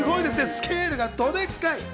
スケールがドでかい。